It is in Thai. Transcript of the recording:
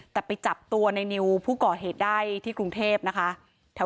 แต่ไปจับตัวในนิวผู้ก่อเหตุได้ที่กรุงเทพนะคะ